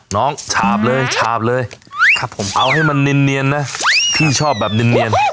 น้องฉาบเลยเอาให้มันเนียนนะที่ชอบแบบเนียน